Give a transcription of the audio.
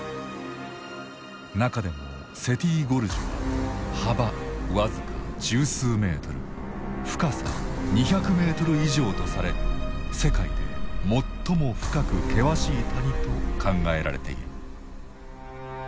中でもセティ・ゴルジュは幅僅か十数メートル深さ２００メートル以上とされ世界で最も深く険しい谷と考えられている。